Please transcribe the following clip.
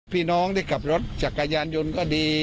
พี่น้องที่ขับรถจักรยานยนต์ก็ดี